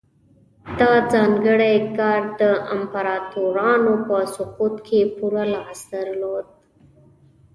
دا ځانګړی ګارډ د امپراتورانو په سقوط کې پوره لاس درلود